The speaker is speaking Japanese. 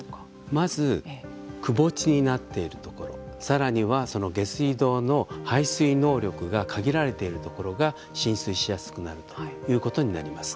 まずくぼ地になっているところさらには下水道の排水能力が限られているところが浸水しやすくなるということになります。